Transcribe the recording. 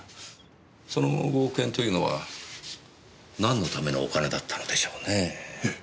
その５億円というのはなんのためのお金だったのでしょうねえ。